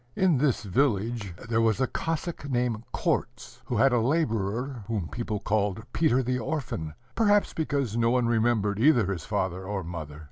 In this village there was a Cossack named Korzh, who had a laborer whom people called Peter the Orphan perhaps because no one remembered either his father or mother.